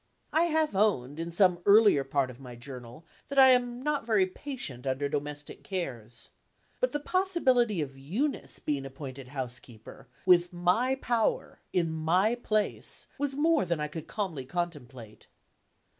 I have owned, in some earlier part of my Journal, that I am not very patient under domestic cares. But the possibility of Eunice being appointed housekeeper, with my power, in my place, was more than I could calmly contemplate.